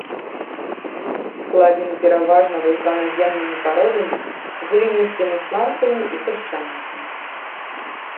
Складзены пераважна вулканагеннымі пародамі, гліністымі сланцамі і пясчанікамі.